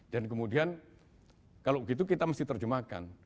dan kemudian kalau gitu kita mesti terjemahkan